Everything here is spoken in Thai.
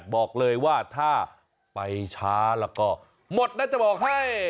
บอกเลยว่าถ้าไปช้าแล้วก็หมดน่าจะบอกให้